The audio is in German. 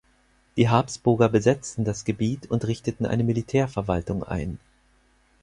Die Habsburger besetzten das Gebiet und richteten eine Militärverwaltung ein.